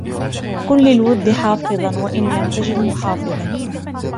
كُنْ لِلْوُدِّ حَافِظًا وَإِنْ لَمْ تَجِدْ مُحَافِظًا